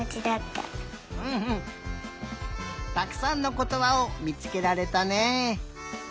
たくさんのことばをみつけられたね。